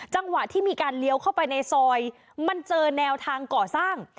จังหวะที่มีการเลี้ยวเข้าไปในซอยมันเจอแนวทางก่อสร้าง